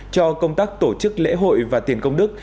cho công tác tổ chức lễ hội và tiền công đức